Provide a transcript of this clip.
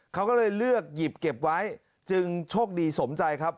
เขาก็เลยเลือกหยิบเก็บไว้จึงโชคดีสมใจครับ